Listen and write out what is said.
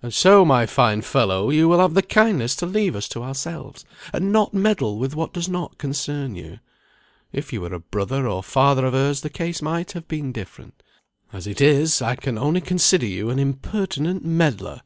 "And so, my fine fellow, you will have the kindness to leave us to ourselves, and not meddle with what does not concern you. If you were a brother, or father of hers, the case might have been different. As it is, I can only consider you an impertinent meddler."